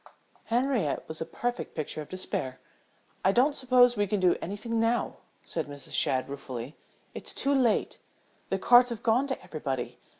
Henriette was a perfect picture of despair. "I don't suppose we can do anything now," said Mrs. Shadd, ruefully. "It's too late. The cards have gone to everybody.